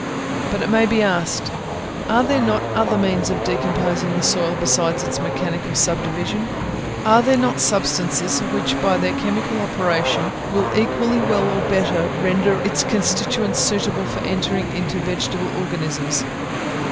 But it may be asked, Are there not other means of decomposing the soil besides its mechanical subdivision? are there not substances, which by their chemical operation will equally well or better render its constituents suitable for entering into vegetable organisms?